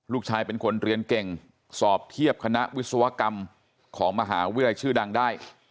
ลูกชายเป็นคนเรียนเก่งสอบเทียบคณะวิศวกรรมของมหาวิทยาลัยชื่อดังได้